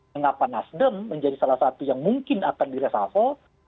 mengapa nasdem menjadi salah satu yang mungkin akan diresapel